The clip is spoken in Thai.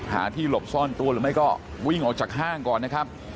หาที่หลบซ่อนตัวหรือไม่ก็วิ่งออกจากห้างก่อนนะครับ